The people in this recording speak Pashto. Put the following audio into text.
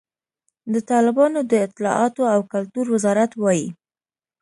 د طالبانو د اطلاعاتو او کلتور وزارت وایي،